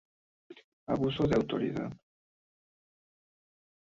Abuso de autoridad.